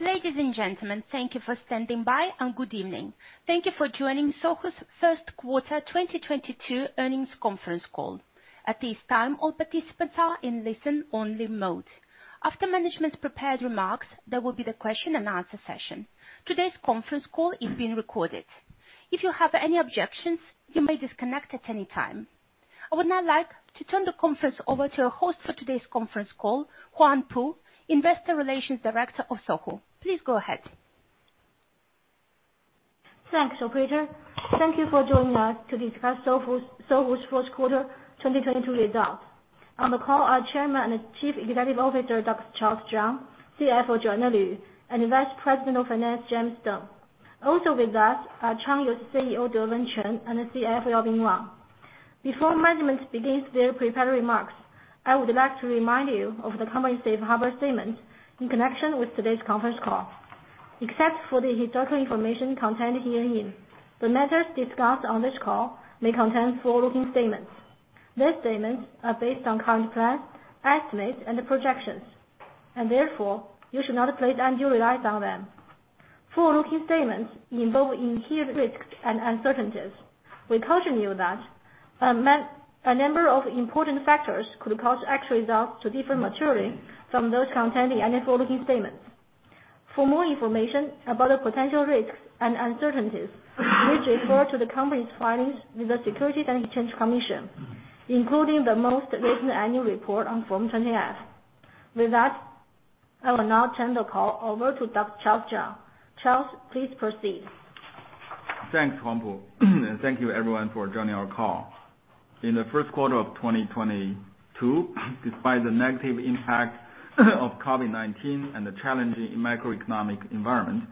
Ladies and gentlemen, thank you for standing by and good evening. Thank you for joining Sohu's first quarter 2022 earnings conference call. At this time, all participants are in listen only mode. After management's prepared remarks, there will be the question and answer session. Today's conference call is being recorded. If you have any objections, you may disconnect at any time. I would now like to turn the conference over to your host for today's conference call, Huang Pu, Investor Relations Director of Sohu. Please go ahead. Thanks, operator. Thank you for joining us to discuss Sohu's first quarter 2022 results. On the call are Chairman and Chief Executive Officer, Dr. Charles Zhang, CFO Joanna Lv, and Vice President of Finance, James Deng. Also with us are Changyou CEO, Dewen Chen, and the CFO Yaobin Wang. Before management begins their prepared remarks, I would like to remind you of the company's safe harbor statement in connection with today's conference call. Except for the historical information contained herein, the matters discussed on this call may contain forward-looking statements. These statements are based on current plans, estimates, and projections, and therefore you should not place undue reliance on them. Forward-looking statements involve inherent risks and uncertainties. We caution you that a number of important factors could cause actual results to differ materially from those contained in any forward-looking statements. For more information about the potential risks and uncertainties, please refer to the company's filings with the Securities and Exchange Commission, including the most recent annual report on Form 20-F. With that, I will now turn the call over to Dr. Charles Zhang. Charles, please proceed. Thanks, Huang Pu. Thank you everyone for joining our call. In the first quarter of 2022, despite the negative impact of COVID-19 and the challenging macroeconomic environment,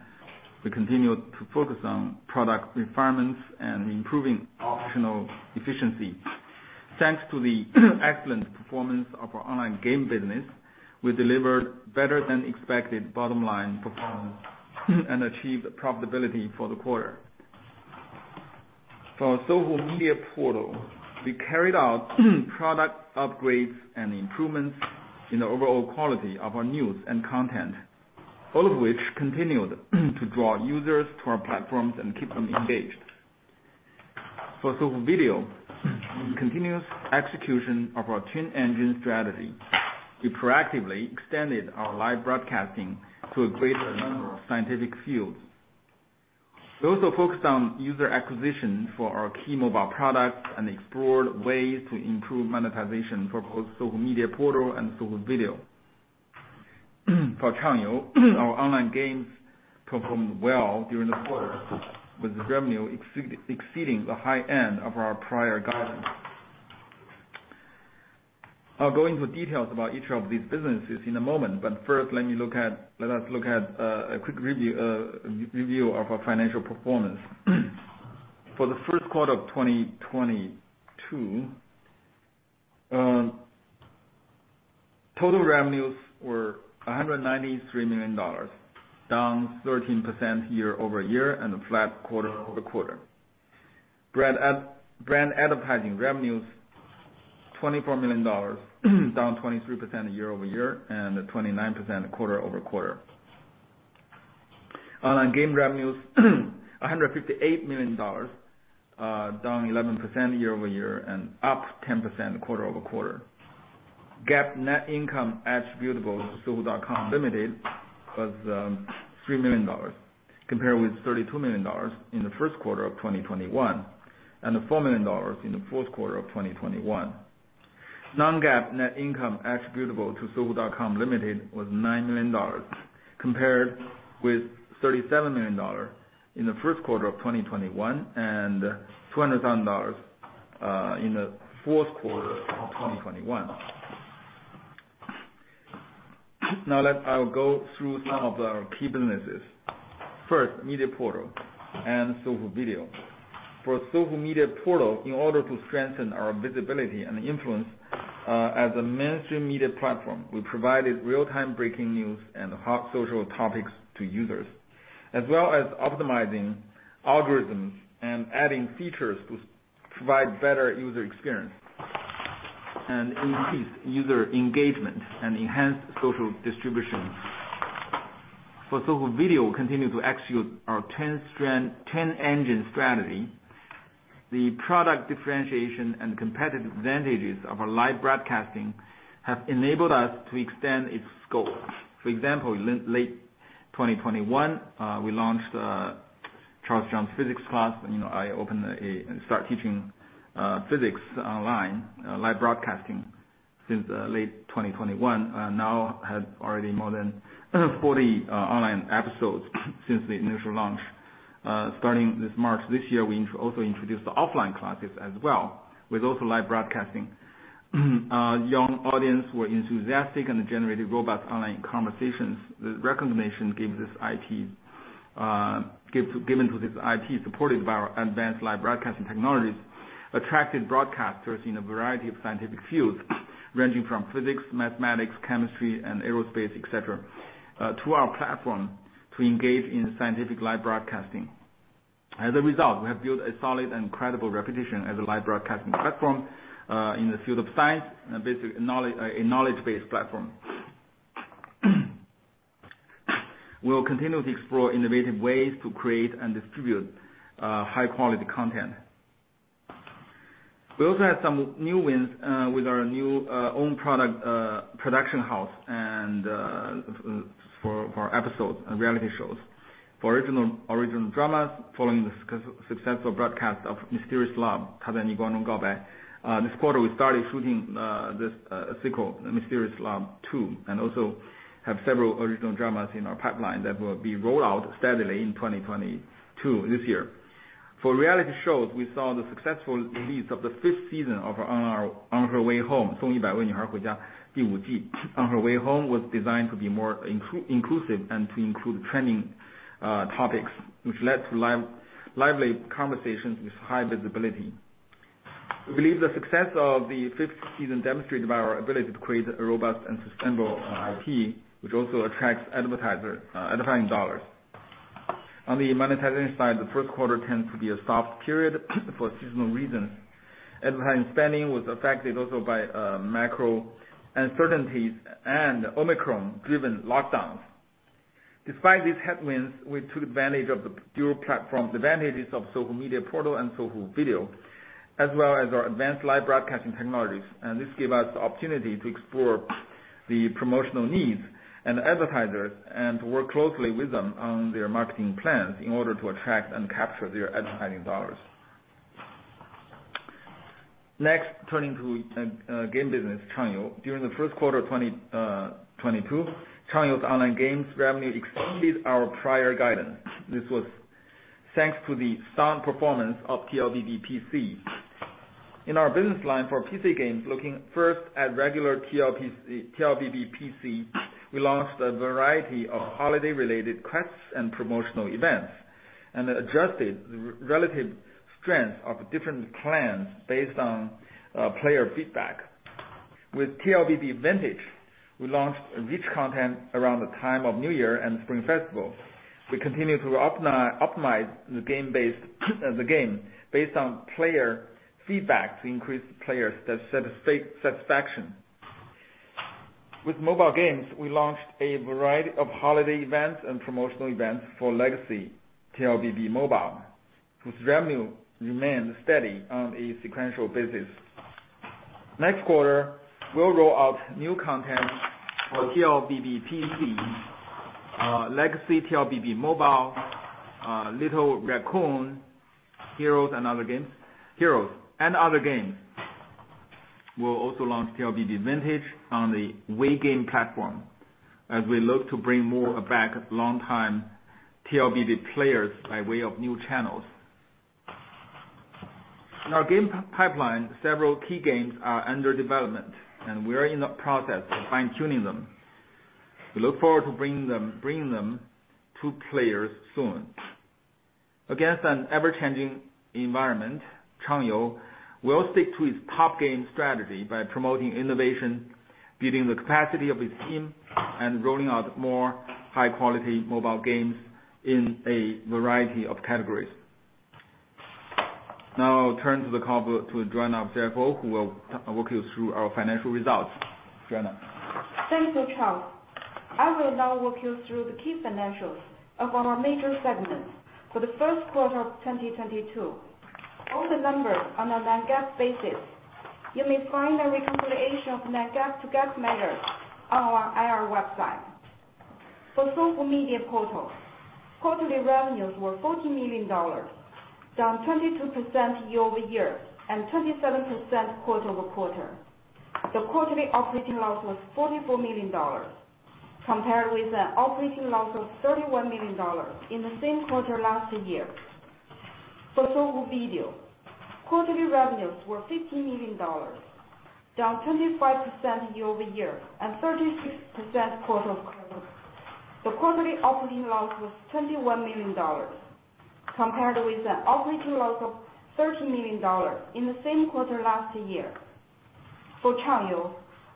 we continued to focus on product requirements and improving operational efficiency. Thanks to the excellent performance of our online game business, we delivered better than expected bottom line performance and achieved profitability for the quarter. For Sohu Media Portal, we carried out product upgrades and improvements in the overall quality of our news and content, all of which continued to draw users to our platforms and keep them engaged. For Sohu Video, continuous execution of our Twin Engine strategy, we proactively extended our live broadcasting to a greater number of scientific fields. We also focused on user acquisition for our key mobile products and explored ways to improve monetization for both Sohu Media Portal and Sohu Video. For Changyou, our online games performed well during the quarter, with the revenue exceeding the high end of our prior guidance. I'll go into details about each of these businesses in a moment, but first let us look at a quick review of our financial performance. For the first quarter of 2022, total revenues were $193 million, down 13% year-over-year and flat quarter-over-quarter. Brand advertising revenues, $24 million, down 23% year-over-year and 29% quarter-over-quarter. Online game revenues, $158 million, down 11% year-over-year and up 10% quarter-over-quarter. GAAP net income attributable to Sohu.com Limited was $3 million, compared with $32 million in the first quarter of 2021, and $4 million in the fourth quarter of 2021. Non-GAAP net income attributable to Sohu.com Limited was $9 million, compared with $37 million in the first quarter of 2021 and $200,000 in the fourth quarter of 2021. I'll go through some of our key businesses. First, media portal and Sohu Video. For Sohu Media Portal, in order to strengthen our visibility and influence as a mainstream media platform, we provided real-time breaking news and hot social topics to users. As well as optimizing algorithms and adding features to provide better user experience and increase user engagement and enhance social distribution. For Sohu Video, we continue to execute our Twin Engine strategy. The product differentiation and competitive advantages of our live broadcasting have enabled us to extend its scope. For example, in late 2021, we launched Charles Zhang's physics class. You know, I started teaching physics online live broadcasting since late 2021. Now has already more than 40 online episodes since the initial launch. Starting this March this year, we also introduced offline classes as well, with also live broadcasting. Our young audience were enthusiastic and generated robust online conversations. The recognition given to this IP, supported by our advanced live broadcasting technologies, attracted broadcasters in a variety of scientific fields, ranging from physics, mathematics, chemistry, and aerospace, et cetera, to our platform to engage in scientific live broadcasting. As a result, we have built a solid and credible reputation as a live broadcasting platform in the field of science and basic knowledge, a knowledge-based platform. We will continue to explore innovative ways to create and distribute high-quality content. We also had some new wins with our new own product production house, and for episodes and reality shows. For original dramas, following the successful broadcast of Mysterious Love, this quarter, we started shooting the sequel, Mysterious Love Two, and also have several original dramas in our pipeline that will be rolled out steadily in 2022, this year. For reality shows, we saw the successful release of the fifth season of On Her Way Home. On Her Way Home was designed to be more inclusive, and to include trending topics, which led to lively conversations with high visibility. We believe the success of the fifth season demonstrated our ability to create a robust and sustainable IP, which also attracts advertiser advertising dollars. On the monetizing side, the first quarter tends to be a soft period for seasonal reasons. Advertising spending was affected also by macro uncertainties and Omicron-driven lockdowns. Despite these headwinds, we took advantage of the dual platform advantages of Sohu Media Portal and Sohu Video, as well as our advanced live broadcasting technologies. This gave us the opportunity to explore the promotional needs and advertisers, and work closely with them on their marketing plans in order to attract and capture their advertising dollars. Next, turning to game business, Changyou. During the first quarter of 2022, Changyou's online games revenue exceeded our prior guidance. This was thanks to the sound performance of TLBB PC. In our business line for PC games, looking first at regular TLBB PC, we launched a variety of holiday-related quests and promotional events, and adjusted the relative strength of different clans based on player feedback. With TLBB Vintage, we launched rich content around the time of New Year and Spring Festival. We continue to optimize the game based on player feedback to increase players' satisfaction. With mobile games, we launched a variety of holiday events and promotional events for Legacy TLBB Mobile, whose revenue remained steady on a sequential basis. Next quarter, we'll roll out new content for TLBB PC, Legacy TLBB Mobile, Little Raccoon: Heroes and Other Games. We'll also launch TLBB Vintage on the WeGame platform as we look to bring more back long-time TLBB players by way of new channels. In our game pipeline, several key games are under development, and we are in the process of fine-tuning them. We look forward to bringing them to players soon. Against an ever-changing environment, Changyou will stick to its top game strategy by promoting innovation, building the capacity of its team, and rolling out more high-quality mobile games in a variety of categories. Now I turn the call over to Joanna, CFO, who will walk you through our financial results. Joanna? Thank you, Charles. I will now walk you through the key financials of our major segments for the first quarter of 2022. All the numbers are on a non-GAAP basis. You may find a reconciliation of non-GAAP to GAAP measures on our IR website. For Sohu Media Portal, quarterly revenues were $40 million, down 22% year-over-year, and 27% quarter-over-quarter. The quarterly operating loss was $44 million, compared with an operating loss of $31 million in the same quarter last year. For Sohu Video, quarterly revenues were $50 million, down 25% year-over-year, and 36% quarter-over-quarter. The quarterly operating loss was $21 million, compared with an operating loss of $13 million in the same quarter last year. For Changyou,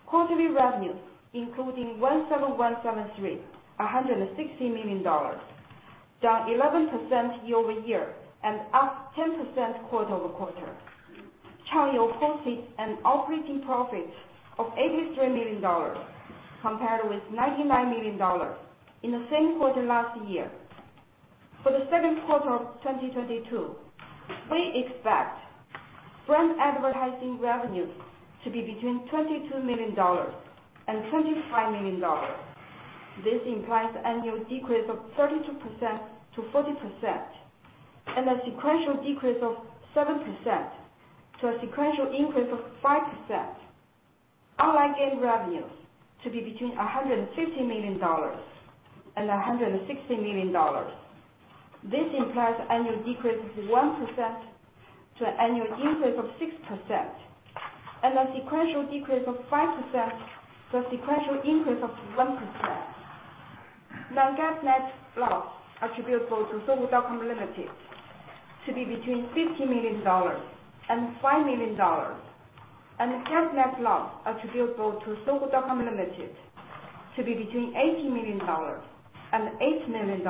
quarterly revenues, including 17173.com, $160 million, down 11% year-over-year, and up 10% quarter-over-quarter. Changyou posted an operating profit of $83 million, compared with $99 million in the same quarter last year. For the second quarter of 2022, we expect brand advertising revenues to be between $22 million and $25 million. This implies annual decrease of 32%-40%, and a sequential decrease of 7% to a sequential increase of 5%. Online game revenues to be between $150 million and $160 million. This implies annual decrease of 1% to annual increase of 6%, and a sequential decrease of 5% to a sequential increase of 1%. Non-GAAP net loss attributable to Sohu.com Limited to be between $15 million and $5 million. GAAP net loss attributable to Sohu.com Limited to be between $18 million and $8 million.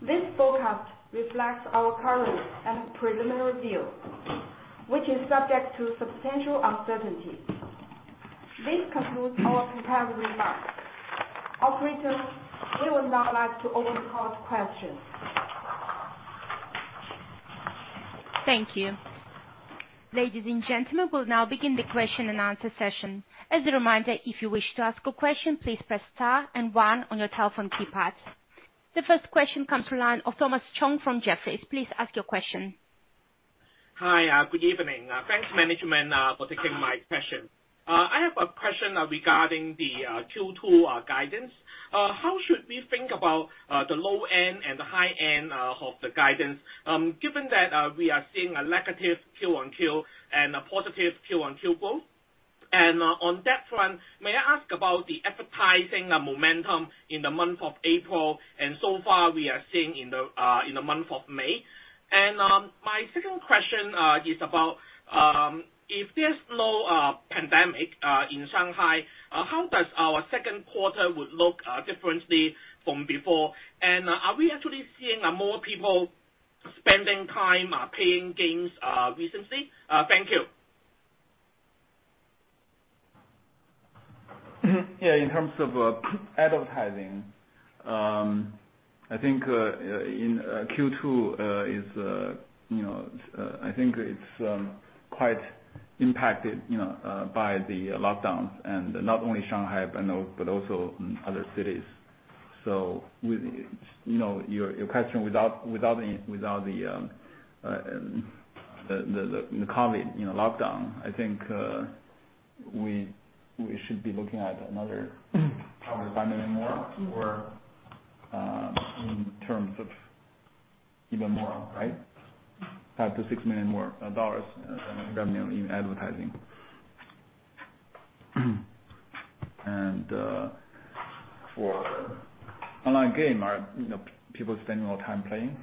This forecast reflects our current and preliminary view, which is subject to substantial uncertainty. This concludes our prepared remarks. Operator, we would now like to open the floor to questions. Thank you. Ladies and gentlemen, we'll now begin the question and answer session. As a reminder, if you wish to ask a question, please press star and one on your telephone keypad. The first question comes from the line of Thomas Chong from Jefferies. Please ask your question. Hi. Good evening. Thanks management for taking my question. I have a question regarding the Q2 guidance. How should we think about the low end and the high end of the guidance, given that we are seeing a negative Q-on-Q and a positive Q-on-Q growth? On that front, may I ask about the advertising momentum in the month of April and so far we are seeing in the month of May. My second question is about if there's no pandemic in Shanghai, how does our second quarter would look differently from before? Are we actually seeing more people spending time playing games recently? Thank you. Yeah, in terms of advertising, I think in Q2 is quite impacted, you know, by the lockdowns and not only Shanghai but also other cities. With your question without the COVID lockdown, I think we should be looking at another probably $5 million more or in terms of even more, right? Up to $6 million more in revenue in advertising. For online games are, you know, people spending more time playing?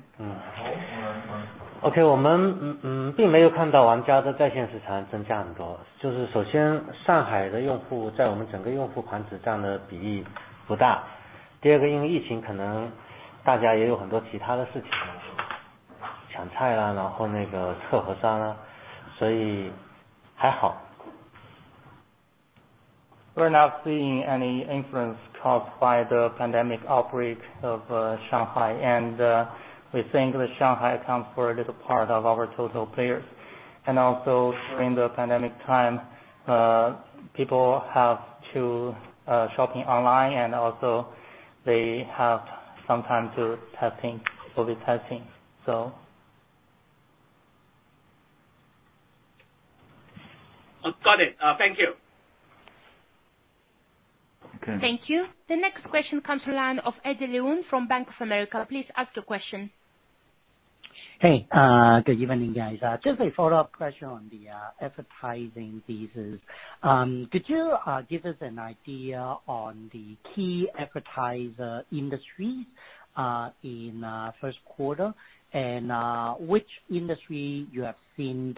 We're not seeing any influence caused by the pandemic outbreak in Shanghai. We think that Shanghai accounts for a little part of our total players. Also during the pandemic time, people have to shop online and also they have some time to do COVID testing. Got it. Thank you. Okay. Thank you. The next question comes to the line of Eddie Leung from Bank of America. Please ask your question. Hey, good evening, guys. Just a follow-up question on the advertising thesis. Could you give us an idea on the key advertiser industries in first quarter, and which industry you have seen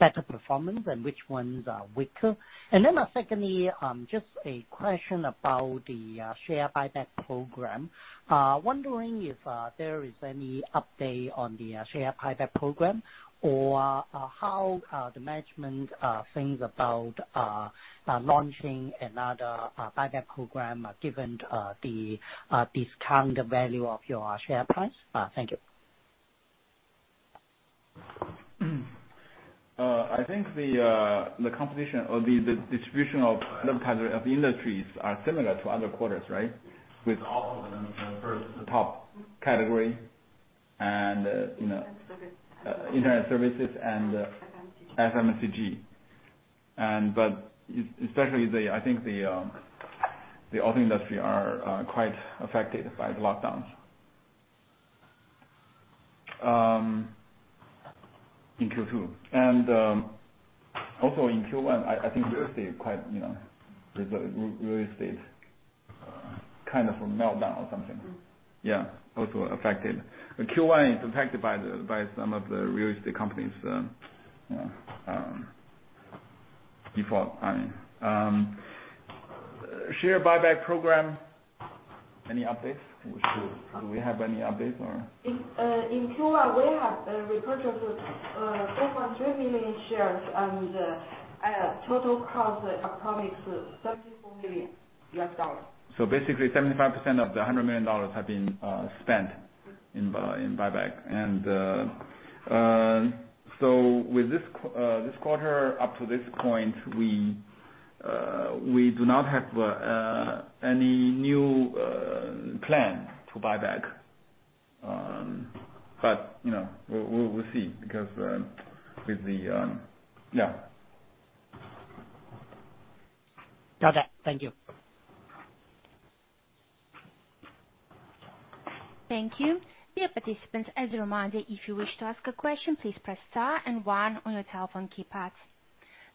better performance and which ones are weaker? Secondly, just a question about the share buyback program. Wondering if there is any update on the share buyback program or how the management thinks about launching another buyback program, given the discounted value of your share price? Thank you. I think the composition or the distribution of advertisers of industries are similar to other quarters, right? With also the first top category and, you know- Internet services. Internet services and FMCG. FMCG. Especially, I think, the auto industry are quite affected by the lockdowns in Q2. Also in Q1, I think real estate quite, you know, there's a real estate kind of a meltdown or something. Mm-hmm. Yeah, also affected. The Q1 is impacted by some of the real estate companies, default, I mean. Share buyback program, any updates? Do we have any updates or? In Q1 we have repurchased 4.3 million shares at a total cost approximately $74 million. Basically 75% of the $100 million have been spent in buyback. With this quarter up to this point, we do not have any new plan to buyback. But you know, we'll see. Got that. Thank you. Thank you. Dear participants, as a reminder, if you wish to ask a question, please press star and one on your telephone keypad.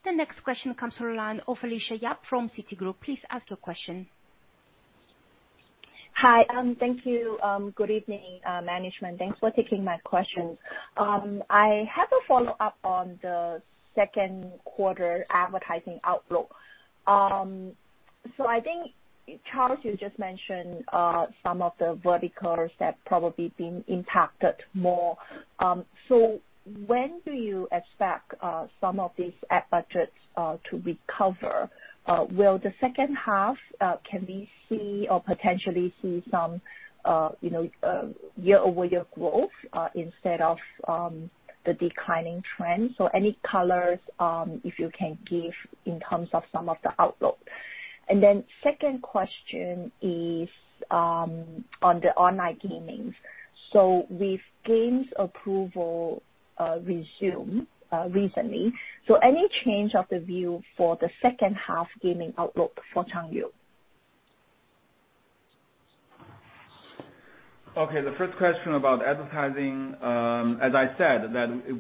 The next question comes from line of Alicia Yap from Citigroup. Please ask your question. Hi, thank you. Good evening, management. Thanks for taking my question. I have a follow-up on the second quarter advertising outlook. I think, Charles, you just mentioned, some of the verticals that probably been impacted more. When do you expect, some of these ad budgets, to recover? Will the second half, can we see or potentially see some, you know, year-over-year growth, instead of, the declining trend? Any colors, if you can give in terms of some of the outlook. Second question is, on the online gamings. With games approval, resume, recently, any change of the view for the second half gaming outlook for Changyou? Okay, the first question about advertising. As I said,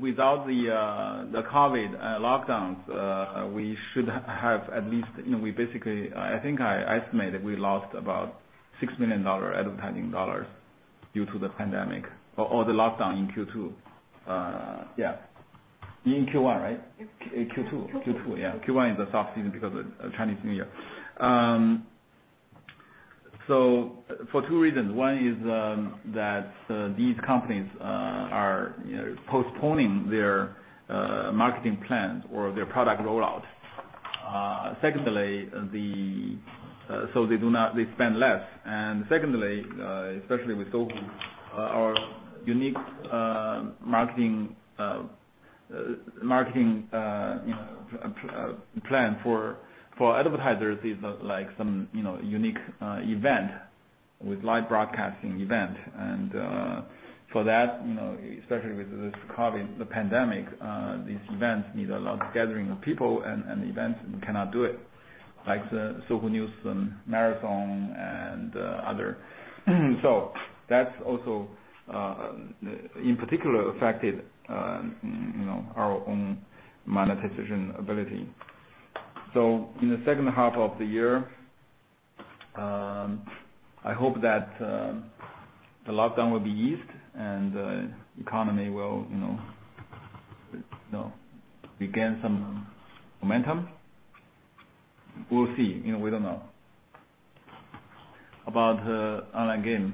without the COVID lockdowns, we should have at least, you know, we basically, I think I estimated we lost about $6 million in advertising dollars due to the pandemic or the lockdown in Q2. In Q1, right? Q2. Q2, yeah. Q1 is the soft season because of Chinese New Year. For two reasons. One is that these companies, you know, are postponing their marketing plans or their product rollout. Secondly, they spend less. Secondly, especially with Sohu, our unique marketing plan for advertisers is like some, you know, unique event with live broadcasting event. For that, you know, especially with this COVID, the pandemic, these events need a lot of gathering of people and events cannot do it, like the Sohu News Marathon and other. That's also in particular affected, you know, our own monetization ability. In the second half of the year, I hope that the lockdown will be eased and economy will, you know, regain some momentum. We'll see. You know, we don't know. About online game.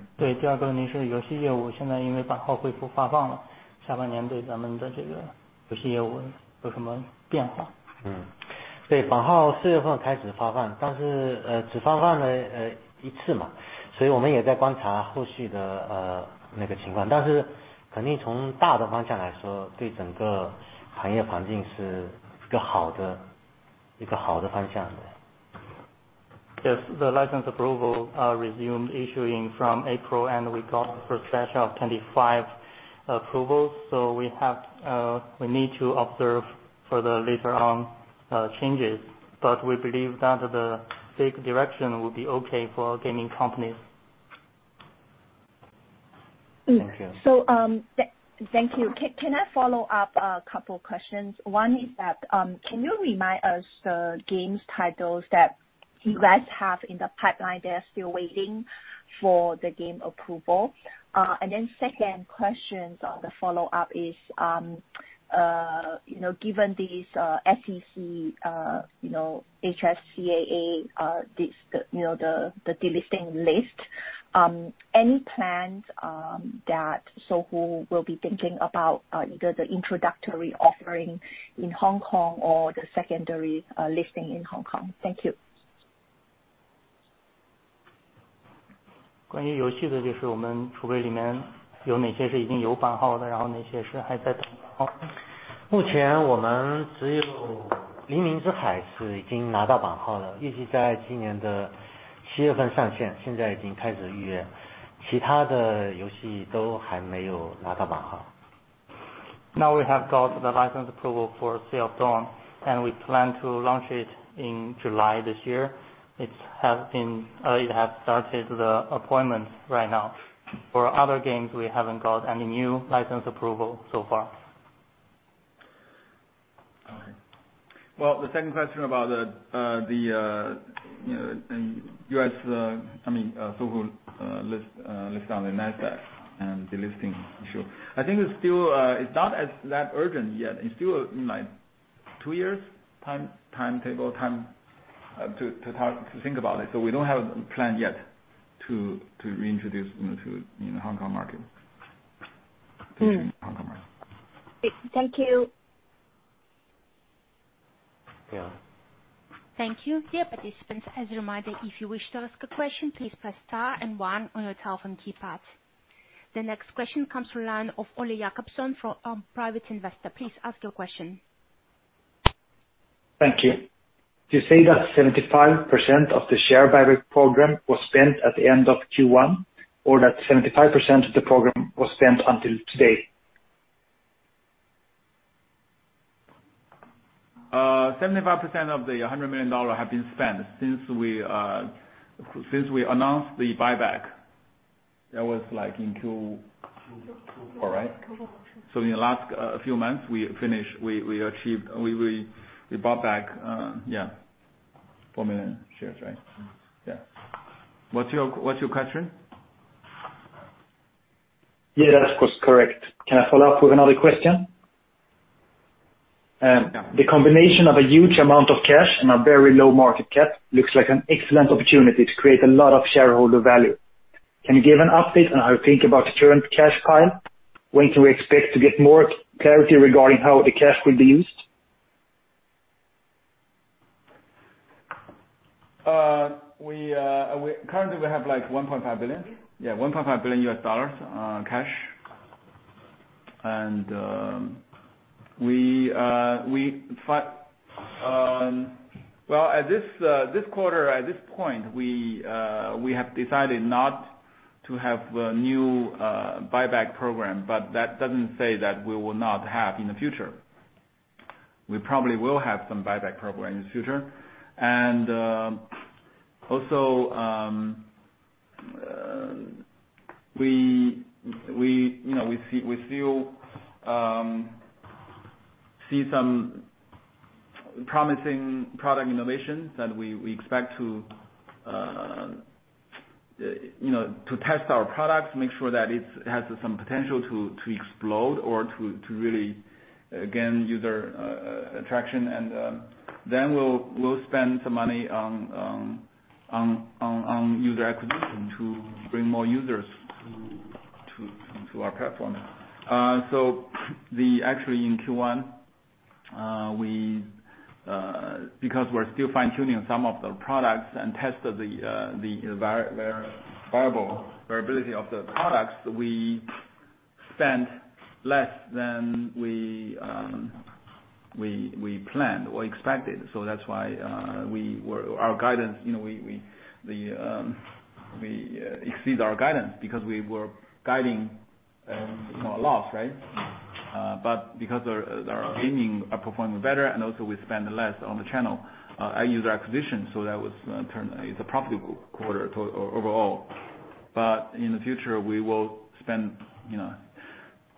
Yes, the license approval resumed issuing from April, and we got the first batch of 25 approvals, so we need to observe for the later on changes. But we believe that the big direction will be okay for gaming companies. Mm. Thank you. Thank you. Can I follow up a couple questions? One is that, can you remind us the game titles that you guys have in the pipeline that are still waiting for the game approval? And then second question on the follow-up is, you know, given these, SEC, you know, HFCAA, this, you know, the delisting list, any plans that Sohu will be thinking about, either the introductory offering in Hong Kong or the secondary listing in Hong Kong? Thank you. Now we have got the license approval for Sea of Dawn, and we plan to launch it in July this year. It has started the appointments right now. For other games, we haven't got any new license approval so far. All right. Well, the second question about the, you know, U.S., I mean, Sohu listed on the Nasdaq and delisting. Sure. I think it's still not that urgent yet. It's still like two years time to talk to think about it. We don't have a plan yet to reintroduce, you know, to you know, Hong Kong market. Mm. Hong Kong market. Thank you. Yeah. Thank you. Dear participants, as a reminder, if you wish to ask a question, please press star and one on your telephone keypad. The next question comes from the line of Ole Jacobson from Private Investor. Please ask your question. Thank you. To say that 75% of the share buyback program was spent at the end of Q1 or that 75% of the program was spent until today. 75% of the $100 million dollars have been spent since we announced the buyback. That was like in Q- Q4. All right. In the last few months we bought back 4 million shares, right? Yeah. What's your question? Yeah, that was correct. Can I follow up with another question? Yeah. The combination of a huge amount of cash and a very low market cap looks like an excellent opportunity to create a lot of shareholder value. Can you give an update on how you think about the current cash pile? When can we expect to get more clarity regarding how the cash will be used? Currently we have like $1.5 billion. Yeah, $1.5 billion cash. Well, at this quarter, at this point, we have decided not to have a new buyback program, but that doesn't say that we will not have in the future. We probably will have some buyback program in the future. Also, you know, we see. We still see some promising product innovations that we expect to, you know, to test our products, make sure that it has some potential to explode or to really gain user attraction. Then we'll spend some money on user acquisition to bring more users to our platform. Actually in Q1, because we're still fine-tuning some of the products and tested the variability of the products, we spent less than we planned or expected. That's why our guidance, you know, we exceed our guidance because we were guiding a loss, right? Because our gaming are performing better and also we spend less on the channel user acquisition, so it's a profitable quarter overall. In the future we will spend, you know.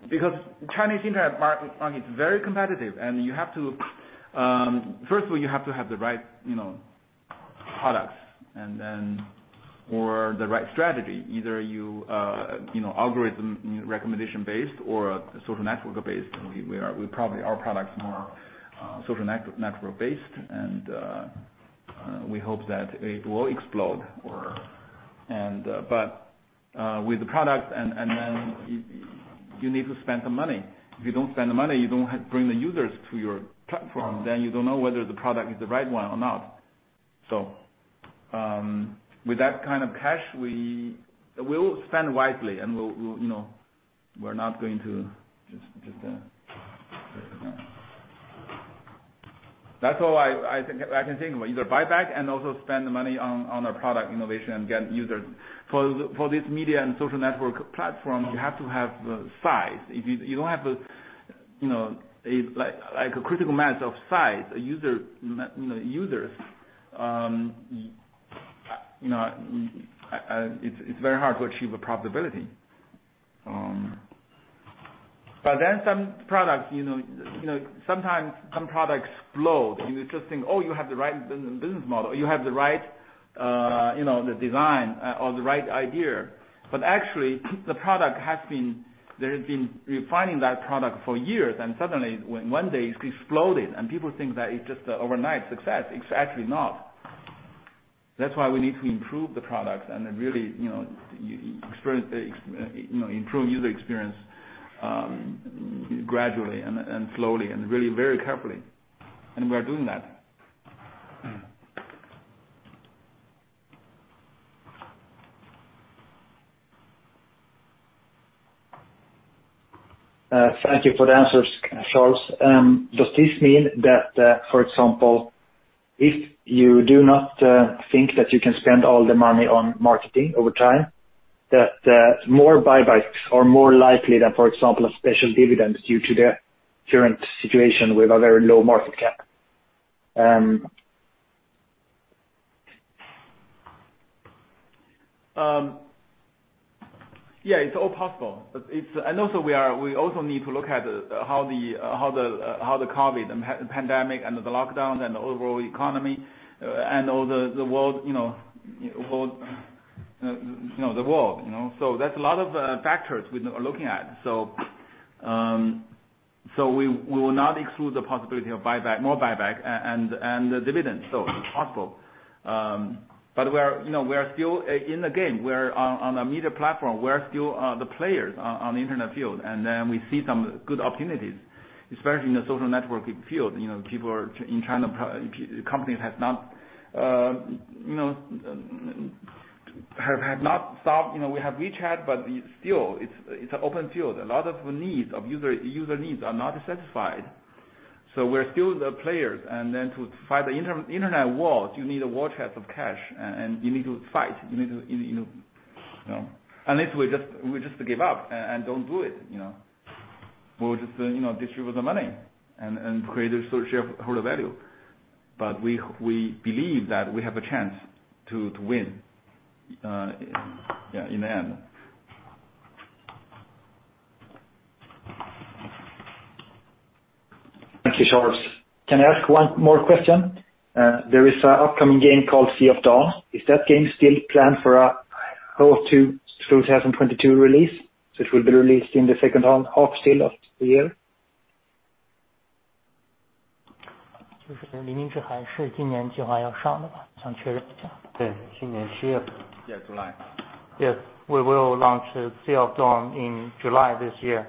Because Chinese internet market is very competitive, and you have to first of all have the right products and then or the right strategy. Either you know algorithm recommendation based or social network based. We are probably our products more social network based and we hope that it will explode or but with the product and then you need to spend the money. If you don't spend the money, you don't have bring the users to your platform, then you don't know whether the product is the right one or not. With that kind of cash we'll spend wisely and we'll you know we're not going to just. That's all I think I can think about, either buyback and also spend the money on our product innovation and get users. For this media and social network platform, you have to have the size. If you don't have the you know a like a critical mass of size, a user you know users you know it's very hard to achieve a profitability. Then some products you know sometimes some products explode. You just think, oh, you have the right business model. You have the right you know the design or the right idea. Actually the product has been they have been refining that product for years and suddenly one day it's exploded and people think that it's just an overnight success. It's actually not. That's why we need to improve the products and then really you know improve user experience gradually and slowly and really very carefully. We are doing that. Thank you for the answers, Charles. Does this mean that, for example, if you do not think that you can spend all the money on marketing over time, that more buybacks are more likely than, for example, a special dividend due to the current situation with a very low market cap? Yeah, it's all possible. We also need to look at how the COVID pandemic and the lockdowns and the overall economy and all the world, you know. That's a lot of factors we are looking at. We will not exclude the possibility of buyback, more buyback and the dividend. It's possible. We're, you know, we are still in the game. We're on a media platform. We are still the players on the internet field. We see some good opportunities, especially in the social networking field. You know, people are in China, companies have not stopped. You know, we have WeChat, but still it's an open field. A lot of user needs are not satisfied. We're still the players. To fight the internet wars, you need a war chest of cash and you need to fight, you know. Unless we just give up and don't do it, you know. We'll just distribute the money and create shareholder value. We believe that we have a chance to win in the end. Thank you, Charles. Can I ask one more question? There is a upcoming game called Sea of Dawn. Is that game still planned for a fall 2022 release, so it will be released in the second half still of the year? Yes, July. Yes, we will launch Sea of Dawn in July this year.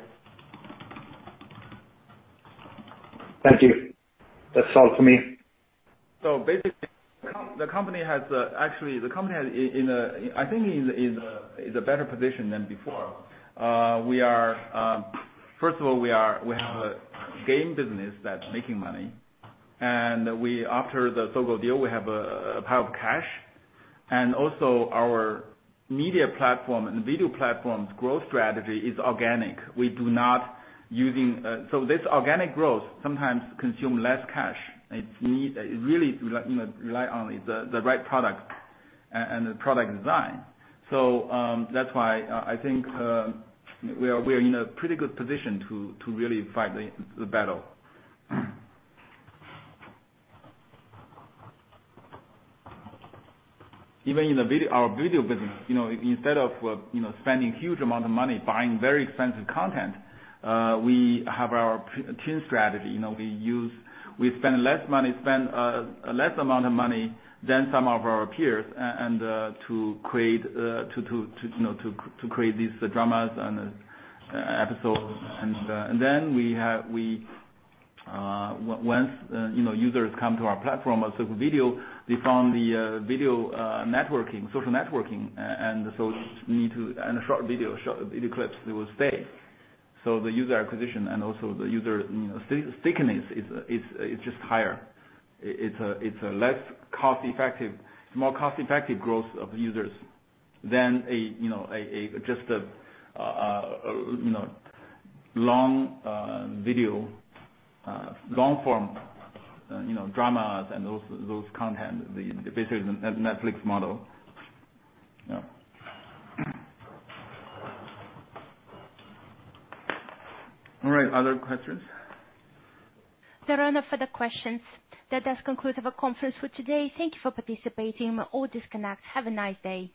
Thank you. That's all for me. Basically, the company has actually in a better position than before. First of all, we have a game business that's making money. After the Sogou deal, we have a pile of cash. Also our media platform and video platform's growth strategy is organic. We do not using. This organic growth sometimes consume less cash. It really you know rely on the right product and the product design. That's why, I think, we are in a pretty good position to really fight the battle. Even in the video, our video business, you know, instead of you know spending huge amount of money buying very expensive content, we have our Twin Engine strategy. You know, we spend less amount of money than some of our peers and to create you know to create these dramas and episodes. Then we have once you know users come to our platform, or Sohu Video, they find the video networking, social networking and so on, short video clips, they will stay. The user acquisition and also the user you know stickiness is just higher. It's a more cost-effective growth of users than a you know long video long form you know dramas and those content, basically the Netflix model. Yeah. All right. Other questions? There are no further questions. That does conclude our conference for today. Thank you for participating. You may all disconnect. Have a nice day.